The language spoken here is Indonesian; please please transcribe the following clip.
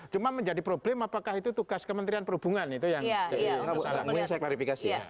cuma menjadi problem apakah itu tugas kementerian perhubungan itu ya iya